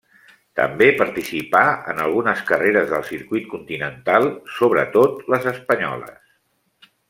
També participà en algunes carreres del Circuit Continental, sobretot les espanyoles.